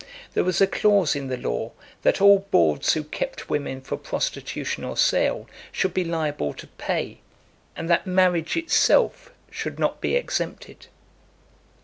There was a clause in the law, that all bawds who kept women for prostitution or sale, should be liable to pay, and that marriage itself should not be exempted.